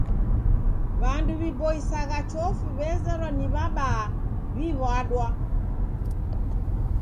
W'andu w'iboisagha chofi w'azerwa na w'abaa w'iw'wadwaa